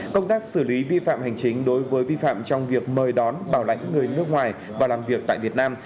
công tác xử lý vi phạm hành chính đối với vi phạm trong việc mời đón bảo lãnh người nước ngoài và làm việc tại việt nam